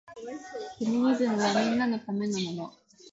フェミニズムはみんなのためのもの